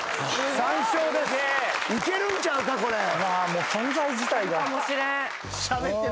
もう存在自体が。